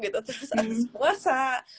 terus ada puasa